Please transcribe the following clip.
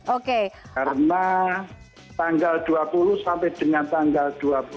oke karena tanggal dua puluh sampai dengan tanggal dua puluh